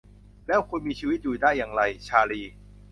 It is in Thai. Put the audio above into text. แล้วคุณมีชีวิตอยู่ได้อย่างไร ชาลี